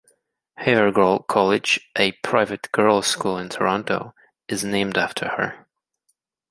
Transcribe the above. Havergal College, a private girls' school in Toronto, is named after her.